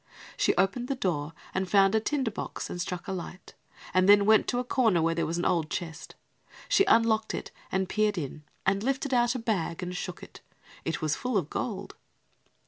She opened the door and found the tinder box and struck a light, and then went to a corner where there was an old chest. She unlocked it and peered in and lifted out a bag and shook it. It was full of gold.